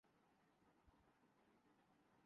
ایک دم سے کچھ نہیں ہوتا۔